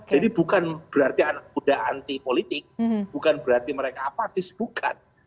jadi bukan berarti anak muda anti politik bukan berarti mereka apatis bukan